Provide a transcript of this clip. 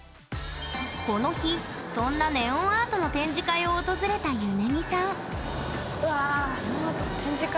この日そんなネオンアートの展示会を訪れたゆねみさん展示会？